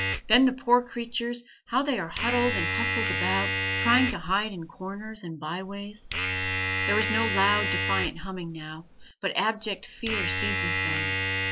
Then the poor creatures, how they are huddled and hustled about, trying to hide in corners and by ways. There is no loud, defiant humming now, but abject fear seizes them.